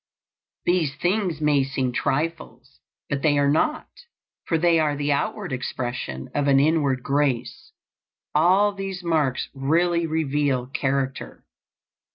These things may seem trifles, but they are not, for they are the outward expression of an inward grace; all these marks really reveal character.